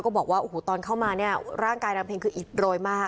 บอกว่าโอ้โหตอนเข้ามาเนี่ยร่างกายนางเพ็งคืออิดโรยมาก